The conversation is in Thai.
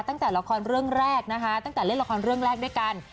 ตั้งแต่ละครเรื่องแรกนะคะตั้งแต่เล่นละครเรื่องแรกด้วยกัน